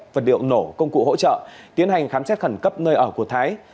vật liệu nổ công cụ hỗ trợ tiến hành khám xét khẩn cấp nơi ở của thái